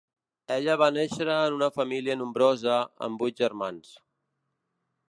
Ella va néixer en una família nombrosa, amb vuit germans.